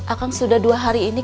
akan sudah dua hari ini